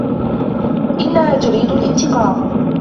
إنها تُريد الإنتقام.